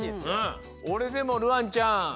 おれでもるあんちゃん。